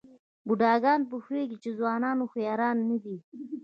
بوډاګان پوهېږي چې ځوانان هوښیاران نه دي.